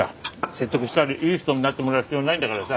説得したりいい人になってもらう必要ないんだからさ。